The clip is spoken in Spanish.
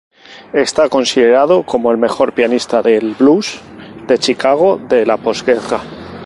Está considerado como el mejor pianista del blues de Chicago de la posguerra.